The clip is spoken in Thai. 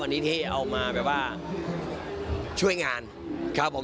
วันนี้ที่เอามาแบบว่าช่วยงานครับผม